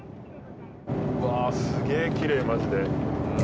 うわぁすげぇきれいマジで。